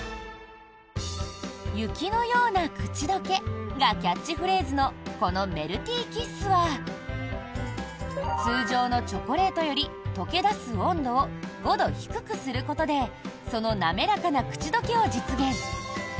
「雪のようなくちどけ」がキャッチフレーズのこのメルティーキッスは通常のチョコレートより溶け出す温度を５度低くすることでその滑らかな口どけを実現。